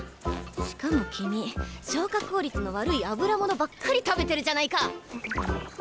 しかも君消化効率の悪い油物ばっかり食べてるじゃないか！